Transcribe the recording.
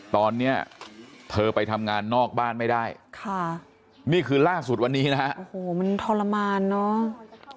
ตอนนี้เธอไปทำงานนอกบ้านไม่ได้ค่ะนี่คือล่าสุดวันนี้นะฮะโอ้โหมันทรมานเนอะ